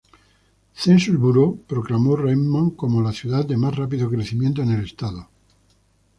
Census Bureau proclamó Redmond como la ciudad de más rápido crecimiento en el Estado.